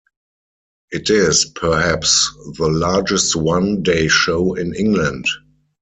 It is, perhaps, the largest one day show in England.